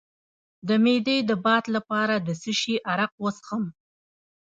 د معدې د باد لپاره د څه شي عرق وڅښم؟